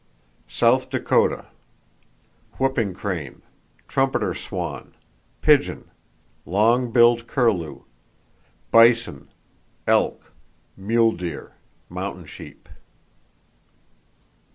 South Dakota: Whooping crane, trumpeter swan, pigeon, long billed curlew; bison, elk, mule deer, mountain sheep.